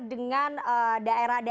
dengan daerah daerah yang lain